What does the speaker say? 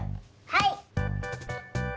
はい！